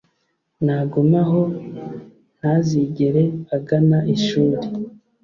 nagume aho ntazigere agana ishuri.